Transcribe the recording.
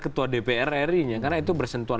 ketua dprri nya karena itu bersentuhan